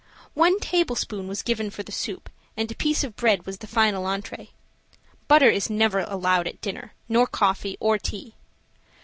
One tablespoon was given for the soup, and a piece of bread was the final entree. Butter is never allowed at dinner nor coffee or tea.